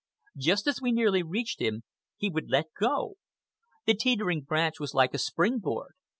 Just as we nearly reached him he would let go. The teetering branch was like a spring board.